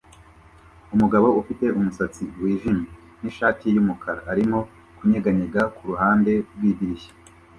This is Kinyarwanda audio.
Umugabo ufite umusatsi wijimye nishati yumukara arimo kunyeganyega kuruhande rwidirishya